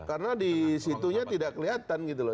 karena di situnya tidak kelihatan gitu loh